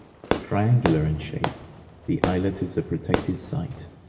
Triangular in shape, the islet is a protected site.